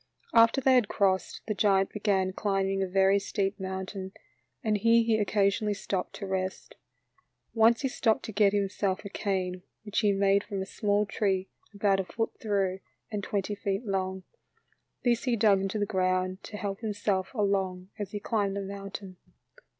After they had crossed, the giant began climbing a very steep mountain, and here he occasionally stopped to rest. Once he stopped to get himself a cane which he made from a small tree about a foot through and twenty feet long ; this he dug into the ground to help himself along as he climbed the mountain.